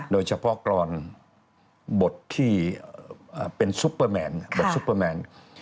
โดยเฉพาะกรอนบทที่เป็นซุปเปอร์แมน